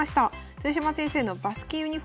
豊島先生のバスケユニフォーム